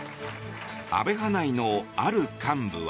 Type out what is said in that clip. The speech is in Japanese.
安倍派内のある幹部は。